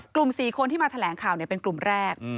๔คนที่มาแถลงข่าวเป็นกลุ่มแรก